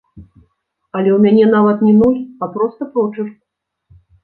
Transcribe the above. Але ў мяне нават не нуль, а проста прочырк.